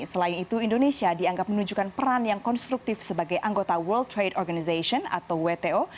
selain itu indonesia dianggap menunjukkan peran yang konstruktif sebagai anggota world trade organization atau wto